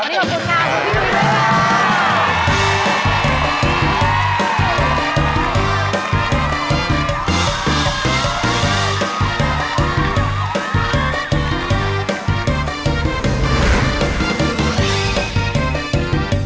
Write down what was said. โปรดติดตามตอนต่อไป